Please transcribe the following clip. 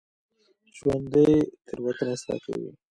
ژوندي تېروتنه اصلاح کوي